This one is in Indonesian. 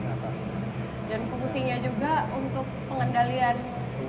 dan fungsinya juga untuk pengendalian